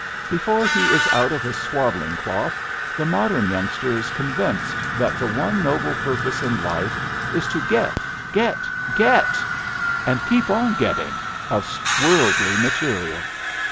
Before he is out of his swaddling cloth the modern youngster is convinced that the one noble purpose in life is to get, get, get, and keep on getting of worldly material.